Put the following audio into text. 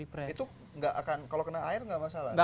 itu kalau kena air nggak masalah